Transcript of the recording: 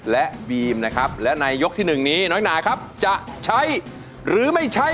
และในยกที่๑นี้น้อยนาจะใช้หรือไม่ใช้